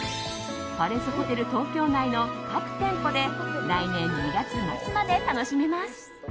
パレスホテル東京内の各店舗で来年２月末まで楽しめます。